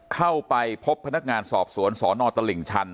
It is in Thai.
เข้าไปพบพนักงานสอบสวนสนตลิ่งชัน